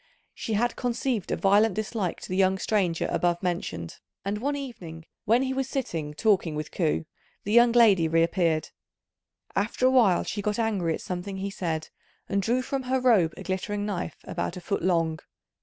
She had conceived a violent dislike to the young stranger above mentioned; and one evening when he was sitting talking with Ku, the young lady reappeared. After a while she got angry at something he said, and drew from her robe a glittering knife about a foot long.